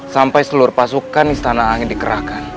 sampai seluruh pasukan istana angin dikerahkan